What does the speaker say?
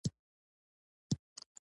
سپین وایم د تورو عداوت کوم